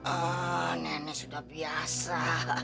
ah nenek sudah biasa